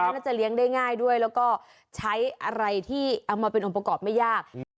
น่าจะเลี้ยงได้ง่ายด้วยแล้วก็ใช้อะไรที่เอามาเป็นองค์ประกอบไม่ยาก